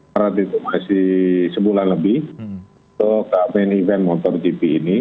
barat itu masih sebulan lebih untuk main event motor gp ini